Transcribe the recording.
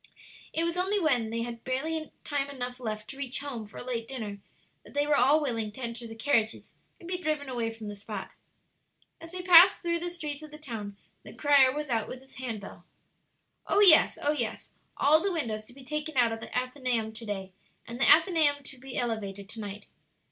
It was only when they had barely time enough left to reach home for a late dinner that they were all willing to enter the carriages and be driven away from the spot. As they passed through the streets of the town, the crier was out with his hand bell. "Oh yes! oh yes! all the windows to be taken out of the Athenaeum to day, and the Athenaeum to be elevated to night."